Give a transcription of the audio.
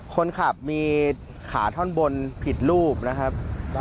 คนขับมีขาท่อนบนผิดรูปนะครับ